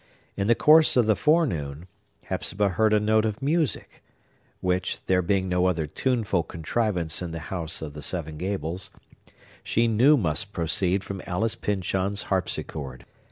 In the course of the forenoon, Hepzibah heard a note of music, which (there being no other tuneful contrivance in the House of the Seven Gables) she knew must proceed from Alice Pyncheon's harpsichord.